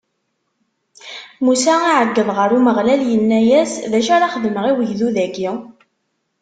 Musa iɛeggeḍ ɣer Umeɣlal, inna-as: D acu ara xedmeɣ i ugdud-agi?